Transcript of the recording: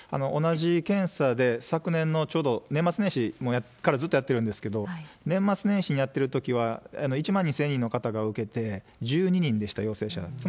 同じ検査で、昨年のちょうど年末年始からずっとやってるんですけど、年末年始にやってるときは、１万２０００人の方が受けて、１２人でした、陽性者が。